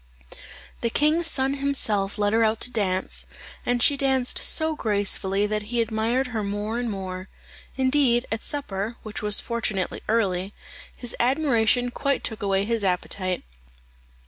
The king's son himself led her out to dance, and she danced so gracefully that he admired her more and more. Indeed, at supper, which was fortunately early, his admiration quite took away his appetite.